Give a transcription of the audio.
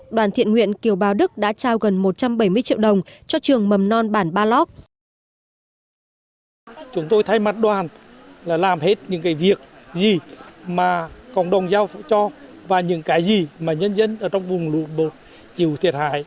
đoàn thiện nguyện kiều bào đức đã trao gần một trăm bảy mươi triệu đồng cho trường mầm non bản ba lóc